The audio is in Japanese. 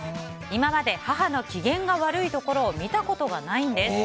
今まで母の機嫌が悪いところを見たことがないんです。